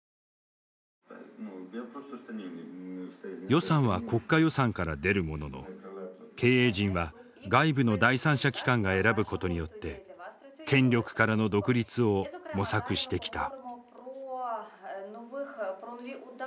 予算は国家予算から出るものの経営陣は外部の第三者機関が選ぶことによって権力からの独立を模索してきた。